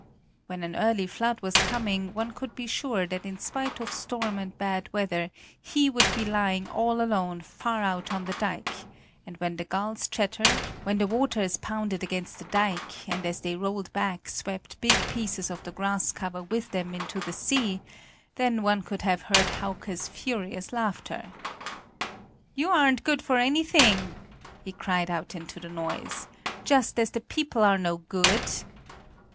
When an early flood was coming, one could be sure that in spite of storm and bad weather, he would be lying all alone far out on the dike; and when the gulls chattered, when the waters pounded against the dike and as they rolled back swept big pieces of the grass cover with them into the sea, then one could have heard Hauke's furious laughter. "You aren't good for anything!" he cried out into the noise. "Just as the people are no good!"